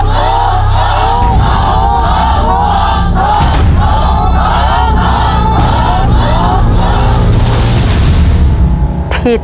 โทษโทษโทษ